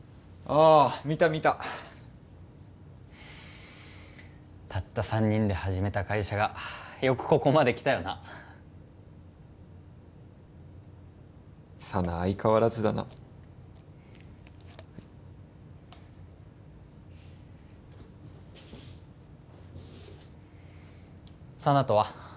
ああ見た見たたった三人で始めた会社がよくここまできたよな佐奈相変わらずだな佐奈とは？